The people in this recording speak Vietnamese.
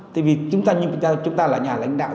tại vì chúng ta là nhà lãnh đạo